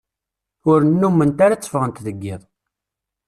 Ur nnument ara tteffɣent deg iḍ.